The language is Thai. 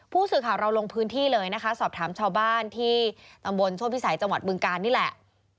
ผู้สื่อข่าวเราลงพื้นที่เลยนะคะสอบถามชาวบ้านที่ตำบลโชธพิสัยจังหวัดบึงการนี่แหละ